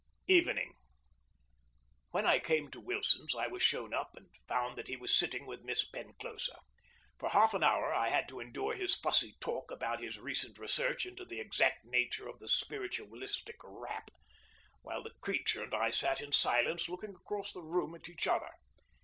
Evening. When I came to Wilson's, I was shown up, and found that he was sitting with Miss Penclosa. For half an hour I had to endure his fussy talk about his recent research into the exact nature of the spiritualistic rap, while the creature and I sat in silence looking across the room at each other.